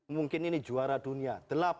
mungkin ini juara dunia